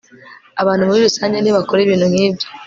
Abantu muri rusange ntibakora ibintu nkibyo